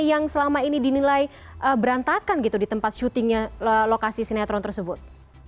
yang selama ini dinilai berantakan gitu di tempat syutingnya lokasi sinetron tersebut